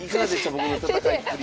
僕の戦いっぷり。